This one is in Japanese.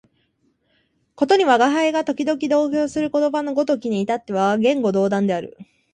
ことに吾輩が時々同衾する子供のごときに至っては言語道断である